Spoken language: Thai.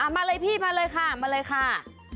มาเลยพี่มาเลยค่ะมาเลยค่ะ